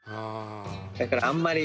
だからあんまり。